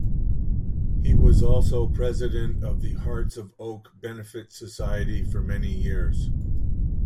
He was also president of the Hearts of Oak Benefit Society for many years.